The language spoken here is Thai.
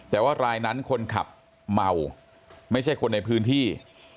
แต่ว่ารายนั้นคนขับเมาไม่ใช่คนในพื้นที่